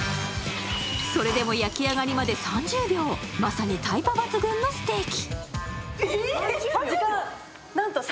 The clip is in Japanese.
それでも焼き上がりに３０秒、まさにタイパ抜群のステーキ。